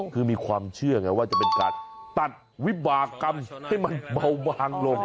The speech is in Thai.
คือมีความเชื่อไงว่าจะเป็นการตัดวิบากรรมให้มันเบาบางลง